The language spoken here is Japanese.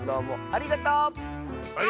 ありがとう！